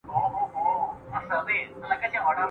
له نیکه نکل هېر سوی افسانه هغسي نه ده `